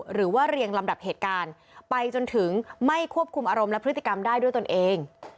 เรียงลำดับเหตุการณ์ไปจนถึงไม่ควบคุมอารมณ์และพฤติกรรมได้ด้วยตนเอง